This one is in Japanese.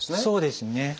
そうですね。